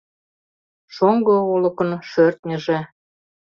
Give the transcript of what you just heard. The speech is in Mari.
Шоҥго Олыкын шӧртньыжӧ